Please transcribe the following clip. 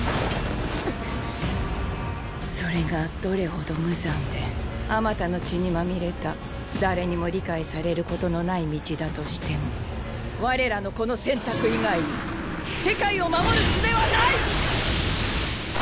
それがどれほど無残であまたの血にまみれた誰にも理解されることのない道だとしても我らのこの選択以外に世界を守るすべはない！